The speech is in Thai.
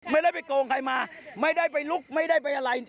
ไม่ได้ไปโกงใครมาไม่ได้ไปลุกไม่ได้ไปอะไร